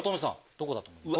どこだと思いますか？